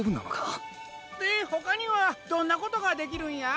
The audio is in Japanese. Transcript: でほかにはどんなことができるんや？